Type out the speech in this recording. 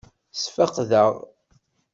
Sfeqdeɣ.